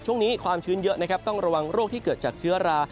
ความชื้นเยอะนะครับต้องระวังโรคที่เกิดจากเชื้อรา